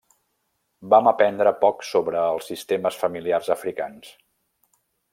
Vam aprendre poc sobre els sistemes familiars africans.